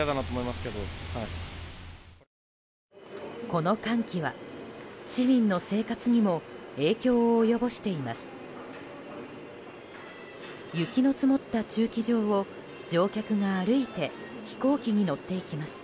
この寒気は市民の生活にも影響を及ぼしています。